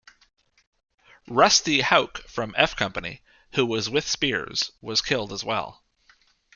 "Rusty" Houck from F Company, who was with Speirs, was killed as well.